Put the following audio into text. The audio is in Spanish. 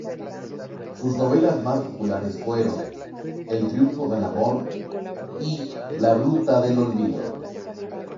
Sus novelas más populares fueron, "El triunfo del Amor" y "La ruta del olvido".